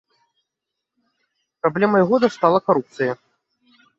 Праблемай года стала карупцыя!